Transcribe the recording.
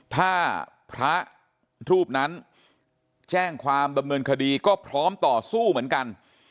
ถ้าพระรูปนั้นแจ้งความดำเนินคดีก็พร้อมต่อสู้เหมือนกัน